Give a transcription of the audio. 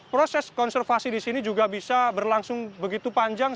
proses konservasi di sini juga bisa berlangsung begitu panjang